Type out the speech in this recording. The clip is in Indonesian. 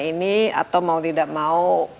ini atau mau tidak mau